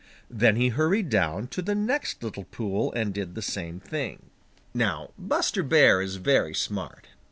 Then he hurried down to the next little pool and did the same thing. Now Buster Bear is very smart.